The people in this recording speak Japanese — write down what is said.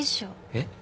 えっ？